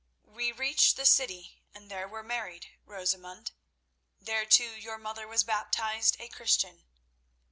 We reached the city, and there were married, Rosamund. There too your mother was baptised a Christian.